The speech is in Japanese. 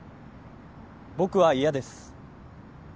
僕は嫌です。